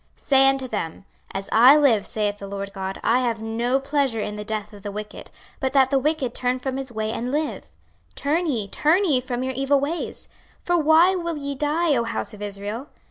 26:033:011 Say unto them, As I live, saith the Lord GOD, I have no pleasure in the death of the wicked; but that the wicked turn from his way and live: turn ye, turn ye from your evil ways; for why will ye die, O house of Israel?